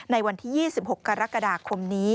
ในวันที่๒๖กรกฎาคมนี้